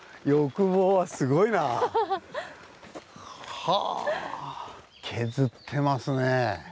はあ削ってますね。